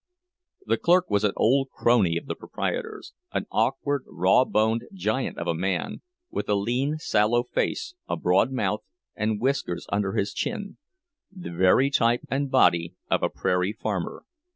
The clerk was an old crony of the proprietor's, an awkward, rawboned giant of a man, with a lean, sallow face, a broad mouth, and whiskers under his chin, the very type and body of a prairie farmer.